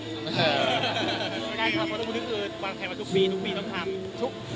เผ้าแทนครับเพราะตัวคุณคิดว่า